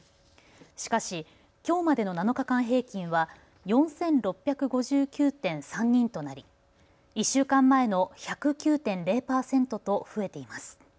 しかしきょうまでの７日間平均は４６５９．３人となり１週間前の１０９．０％と増えています。